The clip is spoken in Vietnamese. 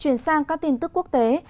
chuyển sang các tin tức quốc tế